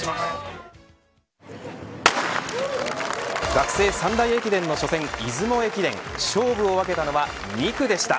学生３大駅伝の初戦、出雲駅伝勝負を分けたのは２区でした。